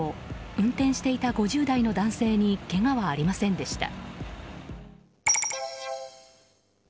運転していた５０代の男性にけがはありませんでした。